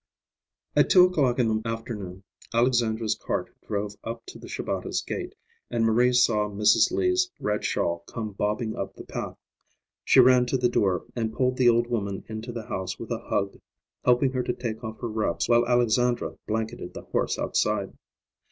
At two o'clock in the afternoon Alexandra's cart drove up to the Shabatas' gate, and Marie saw Mrs. Lee's red shawl come bobbing up the path. She ran to the door and pulled the old woman into the house with a hug, helping her to take off her wraps while Alexandra blanketed the horse outside.